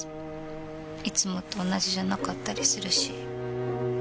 いつもと同じじゃなかったりするし。